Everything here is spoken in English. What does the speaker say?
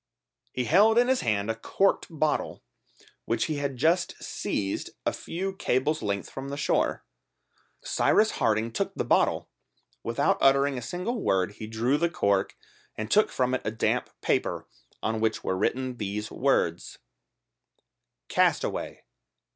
He held in his hand a corked bottle which he had just seized a few cables' length from the shore. Cyrus Harding took the bottle Without uttering a single word he drew the cork, and took from it a damp paper, on which were written these words: "Castaway